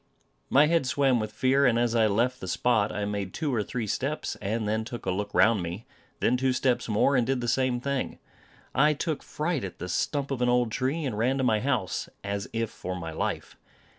My head swam with fear; and as I left the spot, I made two or three steps, and then took a look round me; then two steps more, and did the same thing. I took fright at the stump of an old tree, and ran to my house, as if for my life.